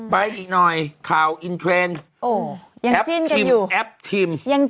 ไปอีกหน่อยข่าวอินเทรนแอปทิม